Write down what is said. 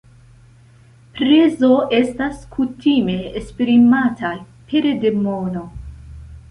Prezo estas kutime esprimata pere de mono.